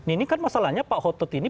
ini kan masalahnya pak hotot ini